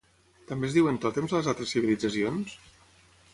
També es diuen tòtems a les altres civilitzacions?